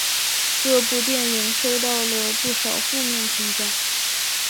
这部电影收到了不少的负面评价。